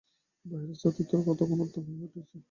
বাহিরের ছাতে তর্ক তখন উদ্দাম হইয়া উঠিয়াছে।